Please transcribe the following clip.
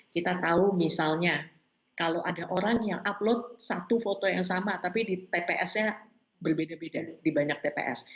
kita tahu misalnya kalau ada orang yang upload satu foto yang sama tapi di tps nya berbeda beda di banyak tps